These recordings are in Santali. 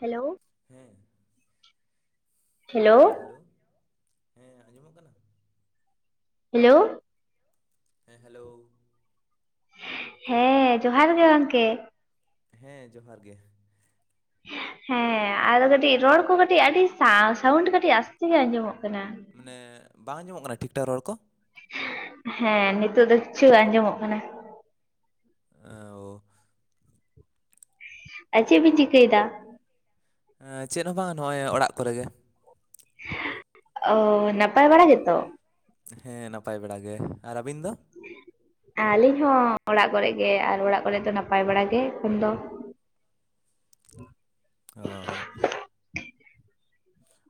ᱦᱮᱞᱳ ᱦᱮᱸ ᱦᱮᱞᱳ ᱦᱮᱞᱳ ᱦᱮᱸ ᱟᱸᱡᱚᱢᱚᱜ ᱠᱟᱱᱟ ᱦᱮᱞᱳ ᱦᱮᱸ ᱦᱮᱞᱳ ᱦᱮᱸ ᱡᱚᱦᱟᱨ ᱜᱮ ᱜᱚᱝ‌ᱠᱮ ᱦᱮᱸ ᱡᱚᱦᱟᱨ ᱜᱮ ᱦᱮᱸ ᱟᱫᱚ ᱠᱟᱹᱴᱤᱡ ᱨᱚᱲ ᱠᱚ ᱠᱟᱹᱴᱤᱡ ᱟᱹᱰᱤ ᱥᱟᱣᱩᱱᱰ ᱠᱟᱹᱴᱤᱡ ᱟᱥᱛᱮ ᱜᱮ ᱟᱸᱡᱚᱢᱚᱜ ᱠᱟᱱᱟ ᱢᱟᱱᱮ ᱵᱟᱝ ᱟᱸᱢᱚᱜ ᱠᱟᱱᱟ ᱴᱷᱤᱠ ᱴᱷᱟᱠ ᱨᱚᱲ ᱠᱚ ᱦᱮᱸ ᱱᱤᱛᱳᱜ ᱫᱚ ᱠᱤᱪᱷᱩ ᱟᱸᱡᱚᱢᱚᱜ ᱠᱟᱱᱟ [unintelligible] ᱟᱨ ᱪᱮᱫ ᱵᱤᱱ ᱪᱤᱠᱟᱹᱭᱫᱟ ᱮᱸᱻ ᱪᱮᱫ ᱦᱚᱸ ᱵᱟᱝ ᱱᱚᱜᱼᱚᱭ ᱚᱲᱟᱜ ᱠᱚᱨᱮ ᱜᱮ ᱚ ᱱᱟᱯᱟᱭ ᱵᱟᱲᱟ ᱜᱮᱛᱚ ᱦᱮᱸ ᱱᱟᱯᱟᱭ ᱵᱮᱲᱟ ᱜᱮ ᱟᱨ ᱟᱹᱵᱤᱱ ᱫᱚ ᱟᱹᱞᱤᱧ ᱦᱚᱸ ᱚᱲᱟᱜ ᱠᱚᱨᱮ ᱜᱮ ᱟᱨ ᱚᱲᱟᱜ ᱠᱚᱨᱮ ᱫᱚ ᱱᱟᱯᱟᱭ ᱵᱟᱲᱟ ᱜᱮ ᱮᱠᱷᱚᱱ ᱫᱚ ᱦᱮᱸ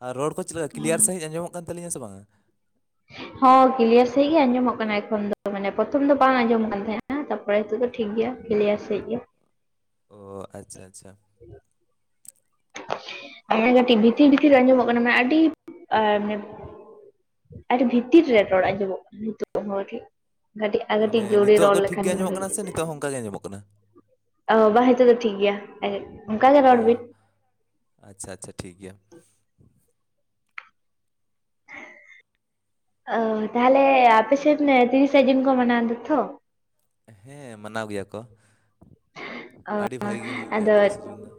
ᱟᱨ ᱨᱚᱲ ᱠᱚ ᱪᱮᱫ ᱞᱮᱠᱟ ᱠᱞᱤᱭᱟᱨ ᱥᱟᱺᱦᱤᱡ ᱟᱸᱡᱚᱢᱚᱜ ᱠᱟᱱ ᱛᱟᱹᱞᱤᱧᱟ ᱥᱮ ᱵᱟᱝᱟ ᱦᱚᱸ ᱠᱞᱤᱭᱟᱨ ᱥᱺᱦᱤᱡ ᱜᱮ ᱟᱸᱡᱚᱢᱚᱜ ᱠᱟᱱᱟ ᱮᱠᱷᱚᱱ ᱫᱚ ᱢᱟᱱᱮ ᱯᱨᱚᱛᱷᱚᱢ ᱫᱚ ᱵᱟᱝ ᱟᱸᱡᱚᱢ ᱠᱟᱱ ᱛᱟᱦᱮᱸᱜᱼᱟ ᱛᱟᱯᱚᱨᱮ ᱱᱤᱛᱚᱜ ᱫᱚ ᱴᱷᱤᱠ ᱜᱮᱭᱟ ᱠᱞᱤᱭᱟᱨ ᱥᱮᱺᱦᱤᱡ ᱜᱮ ᱚ ᱟᱪᱪᱷᱟ ᱟᱪᱪᱷᱟ ᱢᱟᱱᱮ ᱠᱟᱹᱴᱤᱡ ᱵᱷᱤᱛᱤᱨ ᱵᱷᱤᱛᱤᱨ ᱟᱸᱡᱚᱢᱚᱜ ᱠᱟᱱᱟ ᱢᱟᱱᱮ ᱟᱹᱰᱤ ᱢᱟᱱᱮ ᱟᱹᱰᱤ ᱵᱷᱤᱛᱤᱨ ᱨᱮ ᱨᱚᱲ ᱟᱸᱡᱚᱢᱚᱜ ᱠᱟᱱᱟ ᱱᱤᱛᱚᱜ ᱠᱟᱹᱴᱤᱡ ᱟᱨ ᱢᱟᱱᱮ ᱠᱟᱴᱤᱡ ᱡᱩᱨ ᱨᱮ ᱱᱤᱛᱚᱜ ᱨᱚᱲ ᱫᱚ ᱴᱷᱤᱠ ᱞᱮᱱᱠᱦᱟᱱ ᱜᱮ ᱟᱸᱡᱚᱢᱚᱜ ᱵᱷᱟᱜᱮ ᱠᱟᱱᱟ ᱥᱮ ᱱᱤᱛᱚᱜ ᱦᱚᱸ ᱚᱱᱠᱟ ᱜᱮ ᱟᱸᱡᱚᱢᱚᱜ ᱠᱟᱱᱟ ᱚ ᱵᱟᱝ ᱱᱤᱛᱚᱜ ᱫᱚ ᱴᱷᱤᱠ ᱜᱮᱭᱟ ᱚᱱᱠᱟ ᱜᱮ ᱨᱚᱲ ᱵᱤᱱ᱾ ᱟᱪᱷᱟ ᱟᱪᱷᱟ ᱴᱷᱤᱠ ᱜᱮᱭᱟ᱾ ᱚ ᱛᱟᱦᱞᱮ ᱟᱯᱮ ᱥᱮᱱ ᱛᱤᱨᱤᱥᱟ ᱡᱩᱱ ᱠᱚ ᱢᱟᱱᱟᱣᱫᱟ ᱛᱷᱚ ᱦᱮᱸ ᱢᱟᱱᱟᱣ ᱜᱮᱭᱟ ᱠᱚ᱾ ᱟᱹᱰᱤ ᱵᱷᱟᱜᱤ ᱜᱮ ᱦᱩᱭᱩᱜ ᱜᱮᱭᱟ ᱟᱫᱚ ᱛᱤᱨᱤᱥᱮ ᱡᱩᱱ ᱫᱚ᱾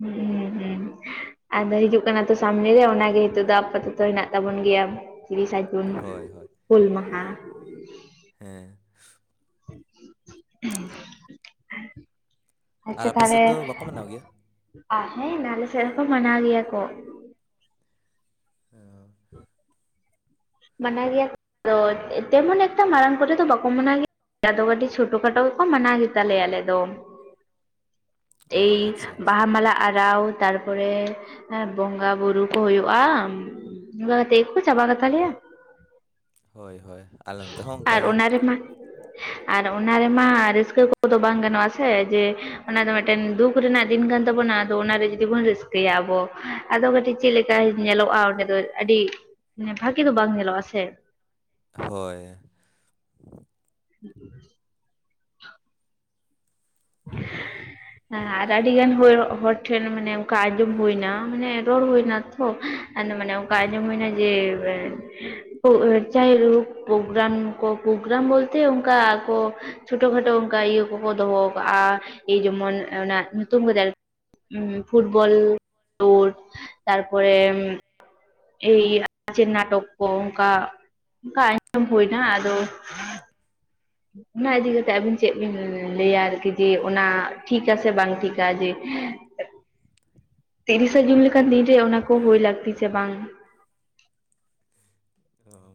ᱦᱩᱸ ᱦᱩᱸ ᱟᱫᱚ ᱦᱤᱡᱩᱜ ᱠᱟᱱᱟ ᱛᱚ ᱥᱟᱢᱱᱮ ᱨᱮ ᱚᱱᱟᱜᱮ ᱱᱤᱛᱚᱜ ᱫᱚ ᱟᱯᱟᱛᱚ ᱫᱚ ᱦᱮᱱᱟᱜ ᱛᱟᱵᱚᱱ ᱜᱮᱭᱟ᱾ ᱛᱤᱨᱤᱥ ᱮ ᱡᱩᱱ ᱦᱳᱭ ᱦᱳᱭ ᱦᱩᱞ ᱢᱟᱦᱟ! ᱦᱮᱸ [inaudible] ᱟᱨ ᱟᱪᱷᱟ ᱟᱯᱮ ᱥᱮᱫ ᱛᱟᱦᱚᱞᱮ ᱫᱚ ᱵᱟᱠᱚ ᱢᱟᱱᱟᱣ ᱜᱮᱭᱟ ᱦᱮᱸ ᱟᱞᱮ ᱥᱮᱫ ᱦᱚᱸᱠᱚ ᱢᱟᱱᱟᱣ ᱜᱮᱭᱟ ᱠᱚ᱾ [inaudible] ᱢᱟᱱᱟ ᱜᱮᱭᱟ ᱟᱫᱚ ᱛᱮᱢᱚᱱ ᱮᱠᱴᱟ ᱢᱟᱨᱟᱝ ᱠᱚᱨᱮ ᱫᱚ ᱵᱟᱠᱚ ᱢᱟᱱᱟᱣ ᱜᱮᱭᱟ᱾ ᱟ ᱫᱚ ᱠᱟᱹᱴᱤᱡ ᱪᱷᱳᱴᱳ ᱠᱷᱟᱴᱚ ᱜᱮᱠᱚ ᱢᱟᱱᱟᱣ ᱜᱮᱛᱟᱞᱮᱭᱟ ᱟᱞᱮ ᱫᱚ᱾ [unintelligible] ᱮᱭ ᱟᱪᱪᱷᱟ ᱟᱪᱪᱷᱟ ᱵᱟᱦᱟ ᱢᱟᱞᱟ ᱟᱨᱟᱣ, ᱛᱟᱨᱯᱚᱨᱮ ᱵᱚᱸᱜᱟ ᱵᱳᱨᱩ ᱠᱚ ᱦᱩᱭᱩᱜᱼᱟ᱾ ᱱᱚᱝᱠᱟ ᱠᱟᱛᱮ ᱜᱮ ᱠᱚ ᱪᱟᱵᱟ ᱠᱟ ᱛᱟᱞᱮᱭᱟ᱾ ᱦᱳᱭ ᱦᱳᱭ ᱟᱞᱮ ᱱᱚᱛᱮ ᱦᱚᱸ ᱟᱨ ᱚᱱᱠᱟᱜᱮ ᱚᱱᱟ ᱨᱮᱢᱟ ᱟᱨ ᱚᱱᱟ ᱨᱮᱢᱟ ᱨᱟᱹᱥᱠᱟᱹ ᱠᱚᱫᱚ ᱵᱟᱝ ᱜᱟᱱᱚᱜᱼᱟ ᱥᱮ ᱡᱮ ᱚᱱᱟ ᱫᱚ ᱢᱤᱫᱴᱮᱱ ᱫᱩᱠ ᱨᱮᱱᱟᱜ ᱫᱤᱱ ᱠᱟᱱ ᱛᱟᱵᱚᱱᱟ ᱟᱫᱚ ᱚᱱᱟᱨᱮ ᱡᱩᱫᱤ ᱵᱚᱱ ᱨᱟᱹᱥᱠᱟᱹᱭᱟ ᱟᱵᱚ ᱟᱫᱚ ᱠᱟᱹᱴᱤᱡ ᱪᱮᱫ ᱞᱮᱠᱟ ᱧᱮᱞᱚᱜᱼᱟ ᱚᱸᱰᱮ ᱫᱚ᱾ ᱟᱹᱰᱤ ᱵᱷᱟᱜᱤ ᱫᱚ ᱵᱟᱝ ᱧᱮᱞᱚᱜᱼᱟ ᱥᱮ᱾ ᱦᱳᱭ ᱦᱮᱸ [inaudible] ᱟᱨ ᱟᱹᱰᱤ ᱜᱟᱱ ᱦᱚᱲ ᱴᱷᱮᱱ ᱢᱟᱱᱮ ᱚᱝᱠᱟ ᱟᱸᱡᱚᱢ ᱦᱩᱭᱱᱟ ᱢᱟᱱᱮ ᱨᱚᱲ ᱦᱩᱭᱱᱟ ᱛᱷᱚ ᱟᱫᱚ ᱢᱟᱱᱮ ᱚᱱᱠᱟ ᱦᱮᱸ ᱟᱸᱡᱚᱢ ᱦᱩᱭᱱᱟ ᱡᱮ ᱪᱟᱦᱮ ᱦᱳ ᱯᱨᱳᱜᱨᱟᱢ ᱠᱚ ᱯᱨᱳᱜᱨᱟᱢ ᱵᱚᱞᱛᱮ ᱚᱱᱠᱟ ᱟᱠᱚ ᱪᱷᱳᱴᱳ ᱠᱷᱟᱴᱳ ᱚᱱᱠᱟ ᱤᱭᱟᱹ ᱠᱚᱠᱚ ᱫᱚᱦᱚ ᱠᱟᱜᱼᱟ ᱮᱭ ᱡᱮᱢᱚᱱ ᱚᱱᱟ ᱧᱩᱛᱩᱢ ᱠᱟᱛ ᱯᱷᱩᱴᱵᱚᱞ ᱠᱷᱮᱞᱩᱲ ᱛᱟᱨᱯᱚᱨᱮ ᱮᱭ ᱟᱪᱮᱫ ᱱᱟᱴᱚᱠ ᱠᱚ ᱚᱝᱠᱟ ᱚᱝᱠᱟ ᱟᱸᱡᱚᱢ ᱦᱩᱭᱱᱟ ᱟᱫᱚ ᱚᱱᱟ ᱤᱫᱤ ᱠᱟᱛᱮᱜ ᱟᱹᱵᱤᱱ ᱪᱮᱫ ᱵᱤᱱ ᱞᱟᱹᱭᱟ ᱟᱨᱠᱤ ᱡᱮ ᱚᱱᱟ ᱴᱦᱤᱠ ᱟᱥᱮ ᱵᱟᱝ ᱴᱷᱤᱠᱟ ᱡᱮ? ᱛᱤᱨᱤᱥᱮ ᱡᱩᱱ ᱞᱮᱠᱟᱱ ᱫᱤᱱ ᱨᱮ ᱚᱱᱟ ᱠᱚ ᱦᱳ ᱞᱟᱹᱠᱛᱤ ᱥᱮ ᱵᱟᱝ? [unintelligible]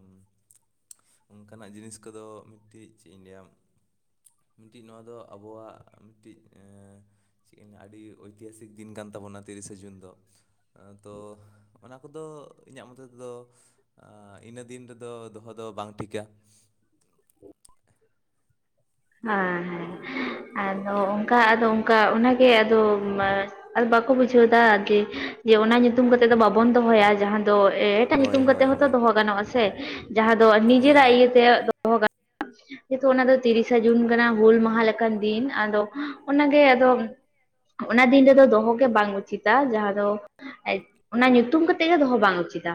ᱚᱱᱠᱟᱱᱟᱜ ᱡᱤᱱᱤᱥ ᱠᱚᱫᱚ ᱢᱤᱫᱴᱤᱡ ᱪᱮᱫ ᱤᱧ ᱞᱟᱹᱭᱟ ᱢᱤᱫᱴᱤᱡ ᱱᱚᱣᱟ ᱫᱚ ᱟᱵᱚᱣᱟᱜ ᱢᱤᱫᱴᱤᱡ ᱮ ᱪᱮᱫ ᱤᱧ ᱞᱟᱹᱭᱟ ᱟᱹᱰᱤ ᱳᱭᱛᱤᱦᱟᱥᱤᱠ ᱫᱤᱱ ᱠᱟᱱ ᱛᱟᱵᱚᱱᱟ ᱛᱤᱨᱤᱥᱮ ᱡᱩᱱ ᱫᱚ ᱛᱚ ᱚᱱᱟ ᱠᱚᱫᱚ ᱤᱧᱟᱹᱜ ᱢᱚᱛᱮ ᱛᱮᱫᱚ ᱟᱻ ᱤᱱᱟᱹ ᱫᱤᱱ ᱨᱮᱫᱚ ᱫᱚᱦᱚ ᱫᱚ ᱵᱟᱝ ᱴᱷᱤᱠᱟ ᱦᱮᱸ ᱦᱮᱸ ᱟᱫᱚ ᱚᱝᱠᱟ ᱟᱫᱚ ᱚᱝᱠᱟ ᱚᱱᱟᱜᱮ ᱟᱫᱚ ᱟ ᱵᱟᱠᱚ ᱵᱩᱡᱷᱟᱹᱣᱫᱟ ᱟᱨᱠᱤ ᱡᱮ ᱚᱱᱟ ᱧᱩ ᱧᱩᱛᱩᱢ ᱠᱟᱛᱮᱫ ᱫᱚ ᱵᱟᱵᱚᱱ ᱫᱚᱦᱚᱭᱟ ᱡᱟᱦᱟᱸ ᱫᱚ ᱮᱴᱟᱜ ᱦᱳᱭ ᱧᱩᱛᱩᱢ ᱠᱟᱛᱮ ᱦᱳᱭ ᱦᱚᱸᱛᱚ ᱦᱳᱭ ᱫᱚᱦᱚ ᱜᱟᱱᱚᱜᱼᱟ ᱥᱮ᱾ ᱡᱟᱦᱟᱸ ᱫᱚ ᱱᱤᱡᱮᱨᱟᱜ ᱦᱮᱸ ᱤᱭᱟᱹᱛᱮ ᱫᱚᱦᱚ ᱜᱟᱱᱚᱜᱟ ᱠᱤᱱᱛᱩ ᱚᱱᱟ ᱫᱚ ᱛᱤᱨᱤᱥ ᱥ ᱡᱩᱱ ᱠᱟᱱᱟ ᱦᱩᱞ ᱢᱟᱦᱟ ᱞᱮᱠᱟᱱ ᱫᱤᱱ ᱟᱫᱚ ᱚᱱᱟᱜᱮ ᱟᱫᱚ᱾ ᱚᱱᱟ ᱫᱤᱱ ᱨᱮᱫᱚ ᱫᱚᱦᱚ ᱜᱮ ᱵᱟᱝ ᱩᱪᱤᱛᱟ ᱡᱟᱦᱟᱸ ᱫᱚ ᱟᱡ ᱚᱱᱟ ᱧᱩᱛᱩᱢ ᱠᱟᱛᱮᱫ ᱜᱮ ᱫᱚᱦᱚ ᱵᱟᱝ ᱩᱪᱤᱛᱟ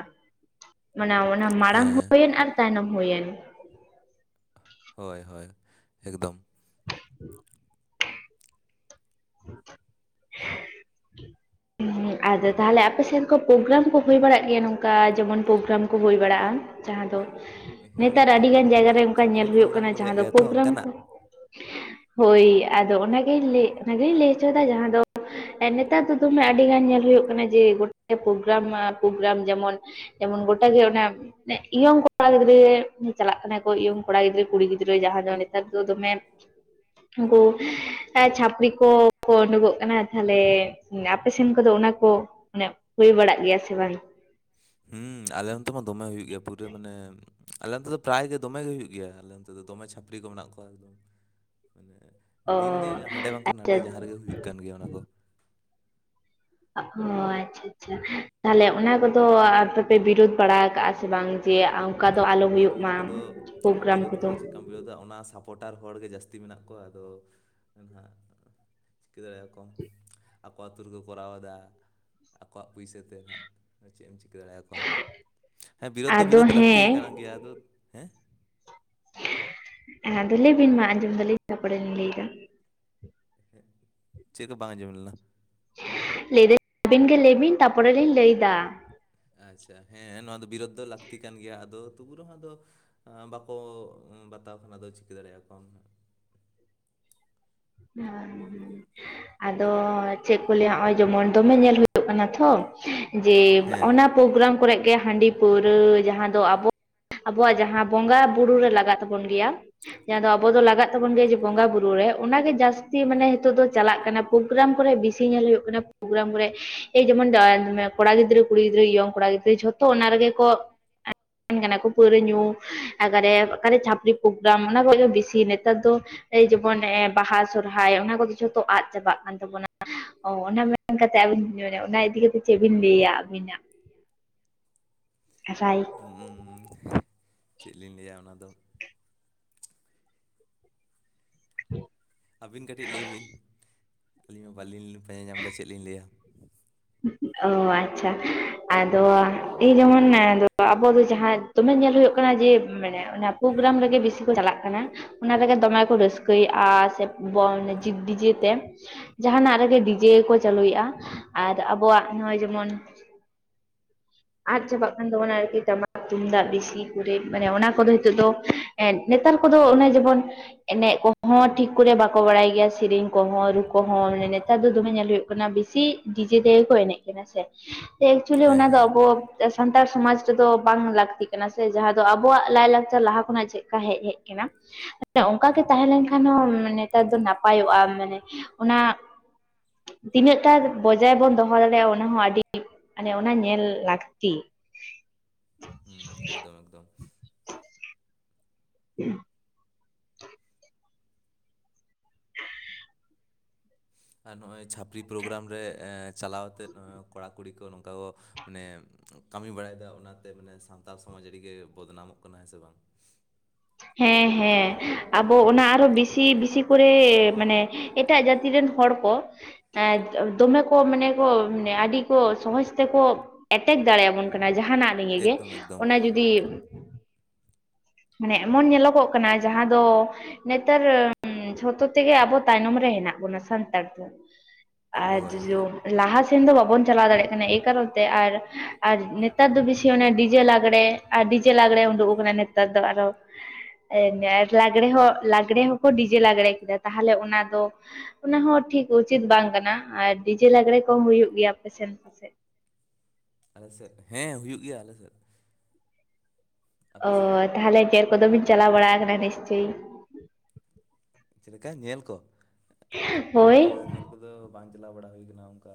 ᱢᱟᱱᱮ ᱚᱱᱟ ᱢᱟᱲᱟᱝ ᱦᱮᱸ ᱦᱩᱭᱮᱱ ᱟᱨ ᱛᱟᱭᱱᱚᱢ ᱦᱩᱭᱮᱱ᱾ ᱦᱳᱭ ᱦᱳᱭ ᱮᱠᱫᱚᱢ᱾ [inaudible] [inaudible] ᱟᱫᱚ ᱛᱟᱦᱚᱞᱮ ᱟᱯᱮᱥᱮᱱ ᱠᱚ ᱯᱨᱳᱜᱨᱟᱢ ᱠᱚ ᱦᱳᱭ ᱵᱟᱲᱟᱜ ᱜᱮᱭᱟ ᱱᱚᱝᱠᱟ ᱡᱮᱢᱚᱱ ᱯᱨᱳᱜᱨᱟᱢ ᱠᱚ ᱦᱳᱭ ᱵᱟᱲᱟᱜᱼᱟ᱾ ᱡᱟᱦᱟᱸ ᱫᱚ ᱦᱮᱸ ᱱᱮᱛᱟᱨ ᱦᱮᱸ ᱟᱹᱰᱤᱜᱟᱱ ᱚᱱᱟ ᱡᱟᱭᱜᱟ ᱨᱮ ᱪᱮᱫ ᱚᱱᱠᱟ ᱪᱷᱟᱯᱨᱤ ᱧᱮᱞ ᱦᱩᱭᱩᱜ ᱯᱨᱳᱜᱨᱟᱢ ᱠᱟᱱᱟ ᱠᱚ ᱡᱟᱦᱟᱸ ᱞᱟᱹᱭᱟᱜ ᱫᱚ ᱜᱮᱭᱟ ᱛᱚ ᱯᱚᱜᱨᱟᱢ ᱠᱚ᱾ ᱚᱱᱠᱟᱱᱟᱜ ᱦᱳᱭ ᱟᱫᱚ ᱚᱱᱟ ᱜᱤᱧ ᱞᱟᱹᱭ ᱦᱚᱪᱚᱭᱟ ᱫᱟ ᱡᱟᱦᱟᱸ ᱫᱚ ᱱᱮᱛᱟᱨ ᱫᱚ ᱧᱩᱛᱩᱢᱮ ᱟᱹᱰᱤ ᱜᱟᱱ ᱧᱮᱞ ᱦᱩᱭᱩᱜ ᱠᱟᱱᱟ ᱡᱮ ᱜᱚᱴᱟ ᱯᱨᱜᱨᱟᱢ ᱢᱟ ᱯᱳᱜᱨᱟᱢ ᱡᱮᱢᱚᱱ ᱡᱮᱢᱚᱱ ᱜᱚᱴᱟ ᱜᱮ ᱚᱱᱟ ᱤᱭᱚᱝ ᱠᱚᱲᱟ ᱜᱤᱫᱽᱨᱟᱹ ᱜᱮ ᱪᱟᱞᱟᱜ ᱠᱟᱱᱟ ᱠᱚ ᱤᱭᱚᱝ ᱠᱚᱲᱟ ᱜᱤᱫᱽᱨᱟᱹ ᱠᱩᱲᱤ ᱜᱤᱫᱽᱨᱟᱹ ᱡᱟᱦᱟᱸ ᱫᱚ ᱱᱮᱛᱟᱨ ᱫᱚ ᱫᱚᱢᱮ [inaudible] ᱩᱱᱠᱩ ᱪᱷᱟᱯᱨᱤ ᱠᱚ ᱠᱚ ᱩᱰᱩᱠᱚᱜ ᱠᱟᱱᱟ᱾ ᱛᱟᱦᱞᱮ ᱟᱯᱮ ᱥᱮᱱ ᱠᱚᱫᱚ ᱚᱱᱟ ᱠᱚ ᱢᱟᱱᱮ ᱦᱩᱭ ᱵᱟᱲᱟᱜ ᱜᱮᱭᱟ ᱥᱮ ᱵᱟᱝ? ᱦᱮᱸ ᱟᱞᱮ ᱚᱱᱛᱮ ᱢᱟ ᱫᱚᱢᱮ ᱦᱩᱭᱩᱜ ᱜᱮᱭᱟ ᱯᱩᱨᱟᱹ ᱢᱟᱱᱮ, ᱟᱞᱮ ᱚᱱᱛᱮ ᱫᱚ ᱯᱨᱟᱭ ᱜᱮ ᱫᱚᱢᱮ ᱜᱮ ᱦᱩᱭᱩᱜ ᱜᱮᱭᱟ᱾ ᱟᱞᱮ ᱚᱱᱛᱮ ᱫᱚ ᱫᱚᱢᱮ ᱪᱷᱟᱹᱯᱨᱤ ᱠᱚ ᱢᱮᱱᱟᱜ ᱠᱚᱣᱟ ᱮᱠᱫᱚᱢ᱾ ᱢᱟᱱᱮ ᱚ ᱫᱤᱱᱜᱮ ᱦᱟᱸᱰᱮ ᱵᱟᱝᱠᱷᱟᱱ ᱟᱪᱪᱷᱟ ᱱᱟᱰᱮ ᱡᱟᱦᱟᱸ ᱨᱮᱜᱮ ᱦᱩᱭᱩᱜ ᱠᱟᱱ ᱜᱮᱭᱟ ᱚᱱᱟ ᱠᱚ᱾ ᱚ ᱟᱪᱪᱷᱟ ᱟᱪᱪᱷᱟ, ᱛᱟᱦᱚᱞᱮ ᱚᱱᱟ ᱠᱚᱫᱚ ᱟᱯᱮ ᱯᱮ ᱵᱤᱨᱳᱫ ᱵᱟᱲᱟ ᱟᱠᱟᱜᱼᱟ ᱥᱮ ᱵᱟᱝ? ᱡᱮ ᱚᱱᱠᱟ ᱫᱚ ᱟᱞᱚ ᱟᱨ ᱦᱩᱭᱩᱜ ᱢᱟ ᱯᱳᱜᱨᱟᱢ ᱠᱚᱫᱚ᱾ ᱠᱟᱢ ᱵᱩᱡᱷᱟᱹᱣ ᱫᱟ ᱚᱱᱟ ᱥᱟᱯᱚᱴᱟᱨ ᱦᱚᱲᱜᱮ ᱡᱟᱹᱥᱛᱤ ᱢᱮᱱᱟᱜ ᱠᱚᱣᱟ ᱟᱫᱚ ᱱᱟᱦᱟᱜ ᱫᱟᱲᱮᱭᱟᱠᱚ ᱟᱠᱚ ᱟᱛᱩ ᱨᱮᱠᱚ ᱠᱚᱨᱟᱣ ᱫᱟ ᱟᱠᱚᱣᱟᱜ ᱯᱩᱭᱥᱟᱹ ᱛᱮ᱾ ᱪᱮᱫ ᱮᱢ ᱪᱤᱠᱟᱹ ᱫᱟᱲᱮᱭᱟᱠᱚᱣᱟ, ᱦᱮᱸ ᱵᱤᱨᱳᱫ ᱫᱚ ᱟᱫᱚ ᱵᱤᱨᱳᱫ ᱞᱟᱹᱠᱛᱤ᱾ ᱦᱮᱸ ᱠᱟᱱ ᱜᱮᱭᱟ ᱟᱫᱚ ᱦᱮᱸ ᱟᱫᱚ ᱞᱟᱹᱭ ᱵᱤᱱ ᱢᱟ ᱟᱸᱡᱚᱢ ᱫᱟᱞᱤᱧ ᱛᱟᱨᱯᱚᱨᱮ ᱞᱤᱧ ᱞᱟᱹᱭ ᱫᱟ᱾ ᱪᱮᱫ ᱦᱚᱸ ᱵᱟᱝ ᱟᱸᱡᱚᱢ ᱞᱮᱱᱟ᱾ ᱞᱟᱹᱭᱫᱟᱹᱧ ᱟᱹᱵᱤᱱ ᱜᱮ ᱞᱟᱹᱭ ᱵᱤᱱ ᱛᱟᱯᱚᱨᱮᱞᱤᱧ ᱞᱟᱹᱭᱫᱟ ᱟᱪᱪᱷᱟ ᱦᱮᱸ ᱱᱚᱣᱟ ᱫᱚ ᱵᱤᱨᱳᱫ ᱫᱚ ᱞᱟᱹᱠᱛᱤ ᱠᱟᱱ ᱜᱮᱭᱟ᱾ ᱟᱫᱚ ᱛᱚᱵᱩ ᱨᱮᱦᱚᱸ ᱫᱚ ᱵᱟᱠᱚ ᱵᱟᱛᱟᱣ ᱠᱷᱟᱱ ᱟᱫᱚ ᱪᱤᱠᱟᱹ ᱫᱟᱲᱮᱭᱟ ᱠᱚᱣᱟᱢ ᱦᱟᱸᱜ᱾ ᱦᱮᱸ ᱟᱫᱚ ᱪᱮᱫ ᱠᱚ ᱞᱟᱹᱭᱟ ᱱᱚᱜᱼᱚᱭ ᱡᱮᱢᱚᱱ ᱫᱚᱢᱮ ᱧᱮᱞ ᱦᱩᱭᱩᱜ ᱠᱟᱱᱟ ᱛᱷᱚ᱾ ᱡᱮ ᱦᱮᱸ ᱚᱱᱟ ᱯᱳᱜᱨᱟᱢ ᱠᱚᱨᱮ ᱜᱮ ᱦᱟᱺᱰᱤ ᱯᱟᱹᱣᱨᱟᱹ ᱡᱟᱦᱟᱸ ᱫᱚ ᱟᱵᱚ ᱟᱵᱚᱣᱟᱜ ᱡᱟᱦᱟᱸ ᱵᱚᱸᱜᱟ ᱵᱩᱨᱩ ᱨᱮ ᱞᱟᱜᱟᱜ ᱛᱟᱵᱚᱱ ᱜᱮᱭᱟ᱾ ᱡᱟᱦᱟᱸ ᱫᱚ ᱟᱵᱚ ᱫᱚ ᱞᱟᱜᱟᱜ ᱛᱟᱵᱚᱱ ᱜᱮᱭᱟ ᱡᱮ ᱵᱚᱸᱜᱟ ᱵᱩᱨᱩ ᱨᱮ, ᱚᱱᱟᱜᱮ ᱡᱟᱹᱥᱛᱤ ᱢᱟᱱᱮ ᱱᱤᱛᱚᱜ ᱫᱚ ᱪᱟᱞᱟᱜ ᱠᱟᱱᱟ ᱯᱨᱳᱜᱨᱟᱢ ᱠᱚᱨᱮ ᱵᱤᱥᱤ ᱧᱮᱞ ᱦᱩᱭᱩᱜ ᱠᱟᱱᱟ ᱯᱨᱳᱜᱨᱟᱢ ᱠᱚᱨᱮ᱾ ᱮᱭ ᱡᱮᱢᱚᱱ ᱠᱚᱲᱟ ᱜᱤᱫᱽᱨᱟᱹ ᱠᱩᱲᱤ ᱜᱤᱫᱽᱨᱟᱹ ᱤᱭᱚᱝ ᱠᱚᱲᱟ ᱜᱤᱫᱽᱨᱟᱹ ᱡᱷᱚᱛᱚ ᱚᱱᱟ ᱨᱮᱜᱮ ᱠᱚ [unintelligible] ᱠᱚ ᱯᱟᱹᱣᱨᱟ ᱧᱩ ᱮᱠᱟᱨᱮ ᱚᱠᱟᱨᱮ ᱪᱷᱟᱯᱨᱤ ᱯᱳᱜᱨᱟᱢ ᱚᱱᱟ ᱠᱚ ᱦᱚᱸ ᱵᱮᱥᱤ ᱱᱮᱛᱟᱨ ᱫᱚ ᱡᱮᱢᱚᱱ ᱵᱟᱦᱟ ᱥᱚᱨᱦᱟᱭ ᱚᱱᱟ ᱠᱚᱜᱮ ᱡᱷᱚᱛᱚ ᱟᱫ ᱪᱟᱵᱟᱜ ᱠᱟᱱ ᱛᱟᱵᱚᱱᱟ᱾ ᱚ ᱚᱱᱟ ᱢᱮᱱ ᱠᱟᱛᱮᱜ ᱟᱹᱵᱤᱱ ᱚᱱᱟ ᱤᱫᱤ ᱠᱟᱛᱮ ᱪᱮᱫ ᱵᱤᱱ ᱞᱟᱹᱭᱟ ᱟᱹᱵᱤᱱᱟᱜ [unintelligible] ᱪᱮᱫ ᱞᱤᱧ ᱞᱟᱹᱭᱟ ᱚᱱᱟ ᱫᱚ? [inaudible] ᱟᱹᱵᱤᱱ ᱠᱟᱹᱴᱤᱡ ᱞᱟᱹᱭ ᱵᱤᱱ? ᱟᱹᱞᱤᱧ ᱢᱟ ᱵᱟᱹᱞᱤᱧ ᱯᱟᱸᱡᱟ ᱧᱟᱢ ᱫᱟ ᱪᱮᱫ ᱞᱤᱧ ᱞᱟᱹᱭᱟ᱾ ᱚ ᱟᱪᱪᱷᱟ ᱟᱫᱚ ᱤ ᱡᱮᱢᱚᱱ ᱟᱵᱚ ᱫᱚ ᱡᱟᱦᱟᱸ ᱫᱚᱢᱮ ᱧᱮᱞ ᱦᱩᱭᱩᱜ ᱠᱟᱱᱟ ᱡᱮ ᱢᱟᱱᱮ ᱚᱱᱟ ᱯᱳᱜᱨᱟᱢ ᱨᱮᱜᱮ ᱵᱤᱥᱤ ᱠᱚ ᱪᱟᱞᱟᱜ ᱠᱟᱱᱟ᱾ ᱚᱱᱟ ᱞᱟᱹᱜᱤᱫ ᱫᱚᱢᱮ ᱠᱚ ᱨᱟᱹᱥᱠᱟᱹᱭᱮᱫᱼᱟ ᱥᱮ ᱵᱚ ᱢᱤᱡᱮᱠ ᱰᱤᱡᱮ ᱛᱮ ᱡᱟᱦᱟᱱᱟᱜ ᱨᱮᱜᱮ ᱰᱤᱡᱮ ᱠᱚ ᱪᱟᱹᱞᱩᱭᱮᱫᱼᱟ ᱟᱨ ᱟᱵᱚᱣᱟᱜ ᱱᱚᱜᱼᱚᱭ ᱡᱮᱢᱚᱱ, ᱟᱫᱚ ᱪᱟᱵᱟᱜ ᱠᱟᱱ ᱛᱟᱵᱚᱱᱟ ᱟᱨᱠᱤ ᱛᱟᱢ᱾ ᱛᱩᱢᱫᱟᱜ ᱵᱮᱥᱤ ᱠᱚᱨᱮ ᱢᱟᱱᱮ ᱚᱱᱟ ᱠᱚᱫᱚ ᱱᱤᱛᱚᱜ ᱫᱚ ᱱᱮᱛᱟᱨ ᱠᱚᱫᱚ ᱚᱱᱮ ᱡᱮᱢᱚᱱ ᱮᱱᱮᱡ ᱠᱚᱦᱚᱸ ᱴᱷᱤᱠ ᱠᱚᱨᱮ ᱵᱟ ᱵᱟᱠᱚ ᱵᱟᱲᱟᱭ ᱜᱮᱭᱟ ᱥᱮᱨᱮᱧ ᱠᱚᱦᱚᱸ ᱨᱩ ᱠᱚᱦᱚᱸ ᱢᱟᱱᱮ ᱱᱮᱛᱟᱨ ᱫᱚ ᱫᱚᱢᱮ ᱧᱮᱞ ᱦᱩᱭᱩᱜ ᱠᱟᱱᱟ ᱵᱮᱥᱤ ᱰᱤᱡᱮ ᱛᱮᱜᱮ ᱠᱚ ᱮᱱᱮᱡ ᱠᱟᱱᱟ ᱥᱮ ᱮᱠᱪᱩᱭᱮᱞᱤ ᱦᱮᱸ ᱚᱱᱟ ᱫᱚ ᱦᱮᱸ ᱟᱵᱚ ᱥᱟᱱᱛᱟᱲ ᱥᱚᱢᱟᱡᱽ ᱨᱮᱫᱚ ᱵᱟᱝ ᱞᱟᱹᱠᱛᱤᱜ ᱠᱟᱱᱟ ᱥᱮ ᱡᱟᱦᱟᱸ ᱫᱚ ᱟᱵᱚᱣᱟᱜ ᱞᱟᱭ ᱞᱟᱠᱪᱟᱨ ᱞᱟᱦᱟ ᱠᱷᱚᱱᱟᱜ ᱪᱮᱫ ᱦᱮᱡ ᱦᱮᱡ ᱠᱟᱱᱟ ᱢᱮ ᱚᱱᱠᱟ ᱜᱮ ᱦᱩᱸ ᱛᱟᱦᱮᱸ ᱞᱮᱱᱠᱷᱟᱱ ᱦᱚᱸ ᱢᱟᱱᱮ ᱱᱮᱛᱟᱨ ᱫᱚ ᱱᱟᱯᱟᱭᱚᱜᱼᱟ ᱢᱟᱱᱮ ᱚᱱᱟ ᱛᱤᱱᱟᱹᱜ ᱴᱟᱜ ᱵᱚᱡᱟᱭ ᱵᱚᱱ ᱫᱚᱦᱚ ᱫᱟᱲᱮᱭᱟᱜᱼᱟ ᱚᱱᱟ ᱦᱚᱸ ᱟᱹᱰᱤ ᱢᱟᱱᱮ ᱚᱱᱟ ᱧᱮᱞ ᱞᱟᱹᱠᱛᱤ ᱦᱩᱸ ᱮᱠᱫᱚᱢ ᱮᱠᱫᱚᱢ ᱦᱮᱸ [unintelligible] ᱟᱨ ᱱᱚᱜᱼᱚᱭ ᱪᱷᱟᱯᱨᱤᱤ ᱯᱨᱳᱜᱨᱟᱢ ᱨᱮ ᱪᱟᱞᱟᱣᱛᱮ ᱱᱚᱜ-ᱚᱭ ᱠᱚᱲᱟ ᱠᱩᱲᱤ ᱠᱚ ᱱᱚᱝᱠᱟ ᱢᱟᱱᱮ ᱠᱟᱹᱢᱤ ᱵᱟᱲᱟᱭ ᱮᱫᱟ ᱚᱱᱟᱛᱮ ᱢᱟᱱᱮ ᱥᱟᱱᱛᱟᱲ ᱥᱚᱢᱟᱡᱽ ᱨᱮᱜᱮ ᱵᱚᱫᱱᱟᱢᱚᱜ ᱠᱟᱱᱟ ᱦᱮᱸ ᱥᱮ ᱵᱟᱝ ᱦᱮᱸ ᱦᱮᱸ ᱟᱵᱚ ᱚᱱᱟ ᱟᱨᱚ ᱵᱮᱥᱤ ᱵᱮᱥᱤ ᱠᱚᱨᱮ ᱢᱟᱱᱮ ᱮᱴᱟᱜ ᱡᱟᱹᱛᱤ ᱨᱮᱱ ᱦᱚᱲ ᱠᱚ ᱮ ᱫᱚᱢᱮ ᱠᱚ ᱢᱟᱱᱮ ᱠᱚ ᱟᱹᱰᱤ ᱠᱚ ᱥᱚᱦᱚᱡᱽ ᱛᱮᱠᱚ ᱮᱴᱮᱠ ᱫᱟᱲᱮᱭᱟᱵᱚᱱ ᱠᱟᱱᱟ ᱡᱟᱦᱟᱱᱟᱜ ᱨᱮᱤᱜᱮ ᱮᱠᱫᱚᱢ ᱮᱠᱫᱚᱢ ᱚᱱᱟ ᱡᱩᱫᱤ ᱢᱟᱱᱮ ᱮᱢᱚᱱ ᱧᱮᱞᱚᱜᱚᱜ ᱠᱟᱱᱟ ᱡᱟᱦᱟᱸ ᱫᱚ ᱱᱮᱛᱟᱨ ᱡᱷᱚᱛᱚ ᱛᱮᱜᱮ ᱟᱵᱚ ᱛᱟᱭᱱᱚᱢ ᱨᱮ ᱦᱮᱱᱟᱜ ᱵᱚᱱᱟ ᱥᱟᱱᱛᱟᱲ ᱫᱚ [inaudible] ᱟᱨ ᱦᱳᱭ [unintelligible] ᱞᱟᱦᱟ ᱥᱮᱱ ᱫᱚ ᱵᱟᱵᱚᱱ ᱪᱟᱞᱟᱣ ᱫᱟᱲᱮᱭᱟᱜ ᱠᱟᱱᱟ ᱮᱭ ᱠᱟᱨᱚᱱ ᱛᱮ ᱟᱨ ᱟᱨ ᱱᱮᱛᱟᱨ ᱫᱚ ᱵᱮᱥᱤ ᱚᱱᱮ ᱰᱤᱡᱮ ᱞᱟᱜᱽᱬᱮ ᱟᱨ ᱰᱤᱡᱮ ᱞᱟᱜᱽᱲᱮ ᱩᱰᱩᱠ ᱟᱠᱟᱱᱟ ᱱᱮᱛᱟᱨ ᱫᱚ ᱟᱨᱚ ᱞᱟᱜᱽᱬᱮ ᱦᱚᱸ ᱞᱟᱜᱽᱬᱮ ᱦᱚᱸᱠᱚ ᱰᱤᱡᱮ ᱞᱟᱜᱽᱬᱮ ᱠᱮᱫᱟ ᱛᱟᱦᱞᱮ ᱚᱱᱟ ᱫᱚ ᱚᱱᱟᱦ ᱴᱷᱤᱠ ᱩᱪᱤᱛ ᱵᱟᱝ ᱠᱟᱱᱟ ᱟᱨ ᱰᱤᱡᱮ ᱞᱟᱜᱽᱲᱮ ᱠᱚᱦᱚᱸ ᱦᱩᱭᱩᱜ ᱜᱮᱭᱟ ᱟᱯ ᱥᱮᱱ ᱯᱟᱥᱮᱡ ᱟᱞᱮ ᱥᱮᱫ ᱦᱮᱸ ᱦᱩᱭᱩᱜ ᱜᱮᱭᱟ ᱟᱞᱮ ᱥᱮᱫ ᱚ ᱟᱯᱮ ᱥᱮᱫ ᱫᱚ ᱛᱟᱦᱚᱞᱮ ᱡᱮᱨ ᱠᱚᱫᱚ ᱵᱤᱱ ᱪᱟᱞᱟᱣ ᱵᱟᱲᱟ ᱟᱠᱟᱱᱟ ᱱᱤᱥᱪᱮᱭ ᱪᱮᱫ ᱞᱮᱠᱟ ᱧᱮᱞ ᱠᱚ ᱦᱳᱭ ᱵᱟᱝ-ᱟ ᱧᱮᱞ ᱠᱚ ᱠᱚᱫᱚ ᱵᱟᱝ ᱪᱟᱞᱟᱣ ᱵᱟᱲᱟ ᱦᱩᱭ ᱟᱠᱟᱱᱟ ᱚᱱᱠᱟ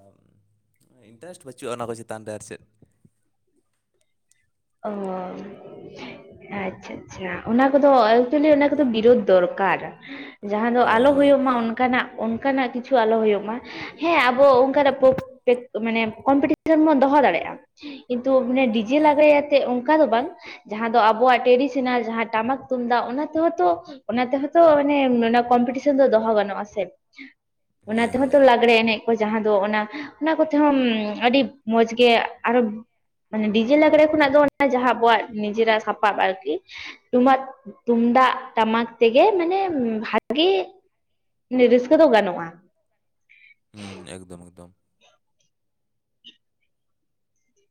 ᱤᱱᱴᱟᱨᱮᱥᱴ ᱵᱟᱹᱪᱩᱜ-ᱟ ᱚᱱᱟ ᱠᱚ ᱪᱮᱛᱟᱱ ᱨᱮ ᱟᱨ ᱪᱮᱫ ᱚ ᱟᱪᱷᱟ ᱟᱪᱷᱟ ᱚᱱᱟ ᱠᱚᱫᱚ ᱮᱠᱪᱩᱞᱤ ᱚᱱᱟ ᱠᱚᱫᱚ ᱦᱳᱭ ᱵᱤᱨᱚᱫᱷ ᱫᱚᱨᱠᱟᱨ ᱡᱟᱦᱟᱸ ᱫᱚ ᱦᱳᱭ ᱟᱞᱚ ᱦᱳᱭ ᱦᱩᱭᱩᱜ ᱢᱟ ᱚᱱᱠᱟᱱᱟᱜ ᱚᱱᱠᱟᱱᱟᱜ ᱠᱤᱪᱷᱩ ᱟᱞᱚ ᱦᱩᱭᱩᱜ ᱢᱟ ᱦᱮᱸ ᱟᱵᱚ ᱚᱱᱠᱟᱱᱟᱜ ᱢᱟᱱᱮ ᱥᱮᱱ ᱵᱚᱱ ᱫᱚᱦᱚ ᱫᱟᱲᱮᱭᱟᱜᱼᱟ ᱠᱤᱱᱛᱩ ᱢᱟᱱᱮ ᱰᱤᱡᱮ ᱦᱮᱸ ᱞᱟᱜᱽᱲᱮᱛᱮᱫ ᱚᱱᱠᱟ ᱫᱚ ᱵᱟᱝ ᱡᱟᱦᱟᱸ ᱫᱚ ᱟᱵᱚᱣᱟᱜ ᱴᱨᱮᱰᱤᱥᱚᱱᱟᱞ ᱡᱟᱦᱟᱸ ᱴᱟᱢᱟᱠ ᱛᱩᱢᱫᱟᱜ ᱚᱱᱟ ᱛᱮᱦᱚᱸ ᱛᱚ ᱚᱱᱟᱛᱮᱦᱚ ᱛᱚ ᱢᱟᱱᱮ ᱚᱱᱟ ᱠᱚᱢᱯᱤᱴᱤᱥᱮᱱ ᱫᱚ ᱫᱚᱦᱚ ᱜᱟᱱᱚᱜ-ᱟ ᱥᱮ ᱚᱱᱟᱱᱟ ᱦᱮᱸ ᱛᱮᱦᱚ ᱛᱚ ᱦᱮᱸ ᱞᱟᱸᱜᱲᱮ ᱮᱱᱮᱡ ᱡᱟᱦᱟᱸ ᱫᱚ ᱚᱱᱟ ᱚᱱᱟ ᱠᱚᱛᱮᱦᱚᱸ ᱟᱹᱰᱤ ᱢᱚᱸᱡᱽ ᱜᱮ ᱟᱨᱚ ᱢᱟᱱᱮ ᱰᱤᱡᱮ ᱞᱟᱜᱽᱬᱮ ᱠᱷᱚᱱᱟᱜ ᱫᱚ ᱡᱟᱦᱟᱸ ᱟᱵᱚᱣᱟᱜ ᱱᱤᱡᱮᱨᱟᱜ ᱥᱟᱯᱟᱵ ᱟᱨᱠᱤ ᱴᱩᱢᱟᱜ ᱛᱩᱢᱫᱟᱜ ᱴᱟᱢᱟᱠ ᱛᱮᱜᱮ ᱢᱟᱱᱮ ᱵᱷᱟᱜᱤ ᱤᱱᱟᱹ ᱨᱟᱹᱥᱠᱟᱹ ᱫᱚ ᱜᱟᱱᱚᱜ-ᱟ ᱦᱩᱸ ᱮᱠᱫᱚᱢ ᱮᱠᱫᱚᱢ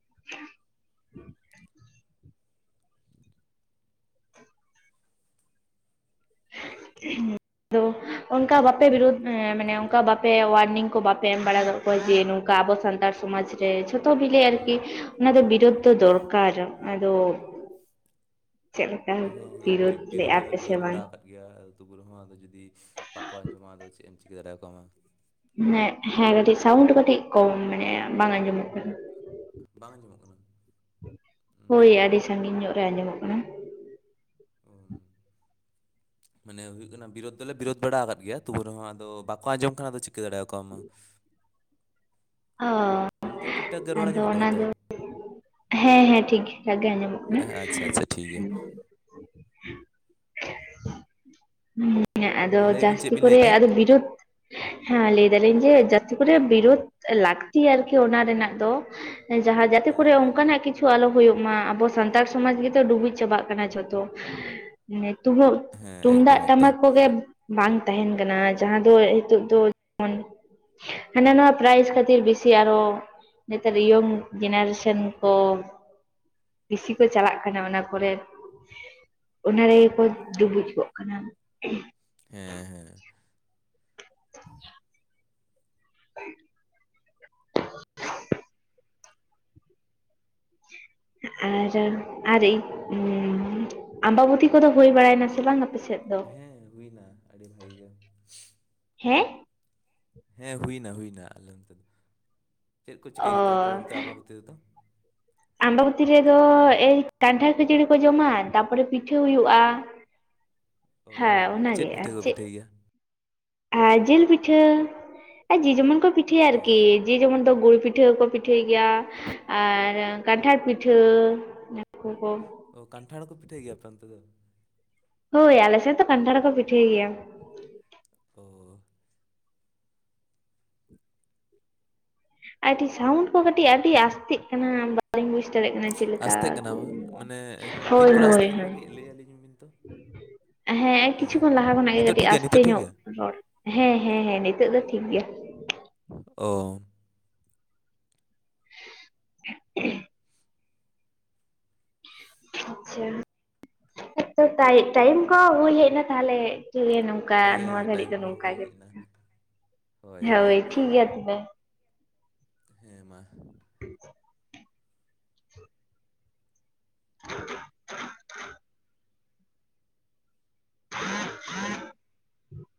[inaudible] [inaudible] ᱟᱫᱚ ᱚᱱᱠᱟ ᱵᱟᱯᱮ ᱵᱤᱨᱩᱫ ᱢᱟᱱᱮ ᱚᱱᱠᱟ ᱵᱟᱯᱮ ᱣᱟᱨᱱᱤᱝ ᱠᱚ ᱵᱟᱯᱮ ᱮᱢ ᱵᱟᱲᱟ ᱟᱠᱟᱫ ᱠᱚᱣᱟ ᱡᱮ ᱱᱚᱝᱠᱟ ᱟᱵᱚ ᱥᱟᱱᱛᱟᱲ ᱥᱚᱢᱟᱡᱽ ᱡᱮ ᱡᱷᱚᱛᱚ ᱵᱤᱞᱮ ᱟᱨᱠᱤ ᱚᱱᱟ ᱫᱚ ᱵᱤᱨᱚᱫᱷ ᱫᱚ ᱫᱚᱨᱠᱟᱨ ᱟᱫᱚ ᱪᱮᱫ ᱞᱮᱠᱟ ᱦᱮᱸ ᱦᱮᱸ ᱵᱤᱨᱳᱫ ᱵᱤᱨᱚ- ᱵᱤᱨᱳᱫᱷ ᱞᱮᱫᱼᱟ ᱫᱚᱞᱮ ᱯᱮ ᱥᱮ ᱵᱤᱨᱳᱫᱷ ᱵᱟᱲᱟ ᱵᱟᱝ ᱟᱠᱟᱜ ᱜᱮᱭᱟ ᱟ. ᱛᱩ ᱠᱚᱨᱮ ᱦᱚᱸ ᱡᱩᱫᱤ ᱵᱟᱠᱚ ᱟᱸᱡᱚᱢᱟ ᱟᱫᱚ ᱪᱮᱫ ᱮᱢ ᱪᱤᱠᱟᱹ ᱫᱟᱲᱮᱭᱟᱠᱚᱣᱟ ᱦᱮ ᱦᱮᱸ ᱠᱟᱹᱴᱤᱡ ᱥᱟᱣᱩᱱᱰ ᱠᱟᱹᱴᱤᱡ ᱠᱚᱢ ᱢᱟᱱᱮ ᱵᱟᱝ ᱟᱸᱡᱚᱢᱚᱜ ᱠᱟᱱᱟ ᱵᱟᱝ ᱟᱸᱡᱚᱢᱚᱜ ᱠᱟᱱᱟ ᱩᱸ, ᱦᱳᱭ ᱦᱟᱯᱮ ᱟᱹᱰᱤ ᱥᱟᱺᱜᱤᱧ ᱧᱚᱜ ᱨᱮ ᱟᱸᱡᱚᱢᱚᱜ ᱠᱟᱱᱟ ᱚ ᱢᱟᱱᱮ ᱦᱩᱭᱩᱜ ᱠᱟᱱᱟ ᱵᱤᱨᱳᱫ ᱫᱚᱞᱮ ᱵᱤᱨᱳᱫ ᱵᱟᱲᱟ ᱟᱠᱟᱫ ᱜᱮᱭᱟ ᱛᱚᱵᱮ ᱨᱮᱦᱚᱸ ᱟᱫᱚ ᱵᱟᱠᱚ ᱟᱸᱡᱚᱢ ᱠᱷᱟᱱ ᱟᱫᱚ ᱪ ᱫᱟᱲᱮ ᱟᱠᱚ ᱢᱟ ᱟᱻᱻ ᱱᱤᱛᱚᱜ ᱴᱷᱤᱠ ᱴᱷᱟᱠ ᱜᱮ ᱨᱚᱲ ᱟᱱᱡᱚᱢᱚᱜ ᱠᱟᱱᱟ ᱛᱚ ᱦᱮᱸ ᱦᱮᱸ ᱴᱷᱤᱠ [unintelligible] ᱜᱮ ᱟᱸᱡᱚᱢᱚᱜ ᱠᱟᱱᱟ ᱦᱮᱸ ᱟᱪᱪᱷᱟ ᱟᱪᱪᱷᱟ ᱴᱷᱤᱠ ᱜᱮᱭᱟ ᱦᱩᱸ ᱦᱮᱸ ᱟᱫᱚ ᱢᱟ ᱞᱟᱹᱭ ᱵᱤᱱ ᱪᱮᱫ ᱡᱟᱹᱥᱛᱤ ᱵᱤᱱ ᱠᱚᱨᱮ ᱞᱟᱹᱭᱮᱫ ᱛᱟᱦᱮᱸᱫ ᱟᱫᱚ ᱵᱤᱨᱩᱫᱽ ᱦᱮᱸ ᱞᱟᱹᱭ ᱫᱟᱞᱤᱧ ᱡᱮ ᱡᱟᱹᱥᱛᱤ ᱠᱚᱨᱮ ᱵᱤᱨᱩᱫᱽ ᱞᱟᱹᱠᱛᱤ ᱟᱨᱠᱤ ᱚᱱᱟ ᱨᱮᱱᱟᱜ ᱫᱚ ᱡᱟᱦᱟᱸ ᱡᱟᱛᱮ ᱦᱮᱸ ᱠᱚᱨᱮ ᱦᱮᱸ ᱚᱱᱠᱟᱱᱟᱜ ᱠᱤᱪᱷᱩ ᱠᱤᱪᱷᱩ ᱟᱞᱚ ᱦᱩᱭᱩᱜ ᱢᱟ ᱟᱵᱚ ᱥᱟᱱᱛᱟᱲ ᱥᱚᱢᱟᱡᱽ ᱜᱮᱛᱚ ᱰᱩᱵᱩᱡ ᱪᱟᱵᱟᱜ ᱠᱟᱱᱟ ᱡᱷᱚᱛᱚ ᱦᱮᱸ [unintelligible] ᱮᱠᱫᱚᱢ ᱛᱩᱢᱫᱟᱜ ᱮᱠᱫᱚᱢ ᱴᱟᱢᱟᱠ ᱠᱚᱜᱮ ᱵᱟᱝ ᱛᱟᱦᱮᱱ ᱠᱟᱱᱟ ᱡᱟᱦᱟᱸ ᱫᱚ ᱱᱤᱛᱚᱜ ᱫᱚ ᱡᱮᱢᱚᱱ ᱦᱟᱱᱟ ᱱᱚᱣᱟ ᱯᱨᱟᱭᱤᱡᱽ ᱠᱷᱟᱹᱛᱤᱨ ᱵᱤᱥᱤ ᱟᱨᱚ ᱱᱮᱛᱟᱨ ᱤᱭᱚᱝ ᱡᱮᱱᱟᱨᱮᱥᱮᱱ ᱠᱚ ᱵᱮᱥᱤ ᱠᱚ ᱪᱟᱞᱟᱜ ᱠᱟᱱᱟ ᱚᱱᱟ ᱠᱚᱨᱮ ᱚᱱᱟ ᱨᱮᱜᱮ ᱠᱚ ᱰᱩᱵᱩᱡ ᱠᱚᱜ ᱠᱟᱱᱟᱹ ᱦᱮᱸ ᱦᱮᱸ [inaudible] [inaudible] ᱟᱨ ᱟᱨ ᱟᱨ ᱟᱢᱵᱟᱵᱚᱛᱤ ᱠᱚᱫᱚ ᱦᱩᱭ ᱵᱟᱲᱟᱭᱱᱟ ᱥᱮ ᱵᱟᱝ ᱟᱯᱮ ᱥᱮᱫ ᱫᱚ ᱦᱮᱸ ᱦᱩᱭᱱᱟ ᱟᱹᱰᱤ ᱵᱷᱟᱜᱤ ᱜᱮ ᱦᱮᱸ ᱦᱮᱸ ᱦᱩᱭᱱᱟ ᱦᱩᱭᱱᱟ ᱟᱞᱮ ᱱᱚᱱᱛᱮ ᱫᱚ ᱪᱮᱫ ᱠᱚ ᱚ ᱪᱤᱠᱟᱹᱭ ᱠᱮᱫᱟ ᱟᱯᱮ ᱚᱱᱛᱮ ᱟᱢᱵᱟᱹᱵᱚᱛᱤ ᱨᱮᱫᱚ ᱟᱢᱵᱟᱵᱚᱛᱤ ᱨᱮᱫᱚ ᱮᱭ ᱠᱟᱱᱴᱷᱟᱲ ᱠᱷᱤᱡᱟᱹᱲᱤ ᱠᱚ ᱡᱚᱢᱟ ᱛᱟᱯᱚᱨᱮ ᱯᱤᱴᱷᱟᱹ ᱦᱩᱭᱩᱜᱼᱟ ᱚ ᱦᱮᱸ ᱚᱱᱟᱜᱮ ᱯᱤᱴᱷᱟᱹ ᱟᱨ ᱠᱚ ᱪᱮᱫ ᱯᱤᱴᱷᱟᱹᱭ ᱜᱮᱭᱟ ᱟᱨ ᱡᱤᱞ ᱯᱤᱴᱷᱟᱹ ᱟᱨ ᱡᱮ ᱡᱮᱢᱚᱱ ᱠᱚ ᱯᱤᱴᱷᱟᱹᱭᱟ ᱟᱨᱠᱤ ᱚ ᱡᱮ ᱡᱮᱢᱚᱱ ᱫᱚ ᱜᱩᱲ ᱯᱤᱴᱷᱟᱹᱠᱚ ᱯᱤᱴᱷᱟᱹᱭ ᱜᱮᱭᱟ ᱟᱨ ᱠᱟᱱᱴᱷᱟᱲ ᱯᱤᱴᱷᱟᱹ [unintelligible] ᱚ ᱠᱟᱱᱴᱷᱟᱲ ᱦᱚᱸᱠᱚ ᱯᱤᱴᱟᱹᱭ ᱜᱮᱭᱟ ᱟᱯᱮ ᱚᱱᱛᱮ ᱫᱚ ᱦᱳᱭ ᱟᱞᱮ ᱥᱮᱫ ᱫᱚ ᱠᱟᱱᱴᱷᱟᱲ ᱦᱚᱸ ᱠᱚ ᱯᱤᱴᱷᱟᱹᱭ ᱜᱮᱭᱟ ᱚ ᱟᱹᱰᱤ ᱥᱟᱣᱭᱩᱱᱰ ᱠᱚ ᱠᱟᱹᱴᱤᱡ ᱟᱹᱰᱤ ᱟᱥᱛᱮᱜ ᱠᱟᱱᱟᱹ ᱵᱟᱹ ᱞᱤᱧ ᱵᱩᱡᱽ ᱫᱟᱲᱮᱭᱟᱜ ᱠᱟᱱᱟ ᱪᱮᱫ ᱞᱮᱠᱟ ᱟᱥᱛᱮᱜ ᱠᱟᱱᱟ ᱵᱟ ᱢᱟᱱᱮ ᱦᱳᱭ ᱛᱤᱱ ᱠᱚᱨᱮ ᱦᱳᱭ ᱟᱥᱛᱮᱜ ᱠᱟᱱᱟ ᱦᱳᱭ ᱠᱟᱹᱴᱤᱡ ᱞᱟᱹᱭ ᱟᱹᱞᱤᱧ ᱵᱤᱱ ᱛᱚ ᱦᱮᱸ ᱠᱤᱪᱷᱩ ᱠᱷᱚᱱ ᱞᱟᱦᱟ ᱠᱷᱚᱱᱟᱜ ᱜᱮ ᱱᱤᱛᱚᱜ ᱴᱷᱤᱠ ᱠᱟᱹᱴᱤᱡ ᱜᱮᱭᱟ ᱟᱥᱛᱮ ᱱᱤᱛᱚᱜ ᱴᱷᱤᱠ ᱧᱚᱜ ᱜᱮᱭᱟ ᱨᱚᱲ ᱦᱮᱸ ᱦᱮᱸ ᱦᱮᱸ ᱱᱤᱛᱳᱜ ᱫᱚ ᱴᱷᱤᱠ ᱜᱮᱭᱟ ᱚ [inaudible] ᱟᱪᱷᱟ [unintelligible] ᱴᱟᱭᱤᱢ ᱠᱚ ᱦᱩᱭ ᱦᱮᱡ ᱮᱱᱟ ᱛᱟᱦᱚᱞᱮ ᱴᱷᱤᱠ [unintelligible] ᱱᱚᱝᱠᱟ ᱱᱚᱣᱟ ᱦᱮᱸ ᱜᱷᱟᱹᱲᱤᱡ ᱴᱟᱭᱤᱢ ᱫᱚ ᱠᱚᱢᱟ ᱱᱚᱝᱠᱟ ᱦᱩᱭ ᱜᱮ ᱦᱮᱡ ᱮᱱᱟ ᱦᱳᱭ ᱴᱷᱤᱠ ᱜᱮᱭᱟ ᱛᱚᱵᱮ ᱦᱮᱸ ᱢᱟ [inaudible] [unintelligible]